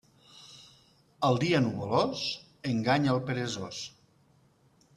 El dia nuvolós enganya el peresós.